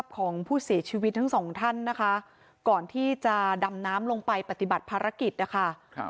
ของผู้เสียชีวิตทั้งสองท่านนะคะก่อนที่จะดำน้ำลงไปปฏิบัติภารกิจนะคะ